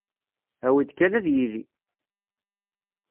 Awi-d kan ad yili!